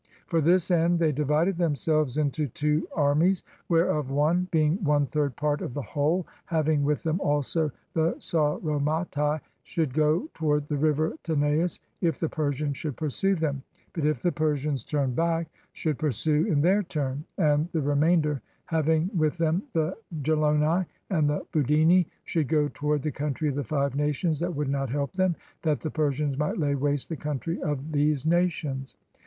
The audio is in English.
For this end they divided themselves into two armies; whereof one, being one third part of the whole, having with them also the Sauromatce, should go toward the river Tanais, if the Persians should pursue them, but if the Persians turned back, should pursue in their turn; and the re mainder, having with them the Geloni and the Budini, should; go toward the country of the five nations that would not help them, that the Persians might lay waste the country of these nations.